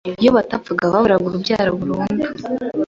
Iyo batapfaga baburaga urubyaro burundu.